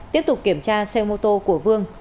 tiếp tục kiểm tra xe mô tô của vương